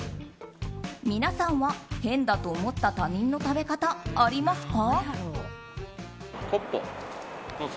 皆さんは変だと思った他人の食べ方ありますか？